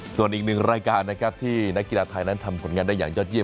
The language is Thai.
ส่วนอีกหนึ่งรายการนะครับที่นักกีฬาไทยนั้นทำผลงานได้อย่างยอดเยี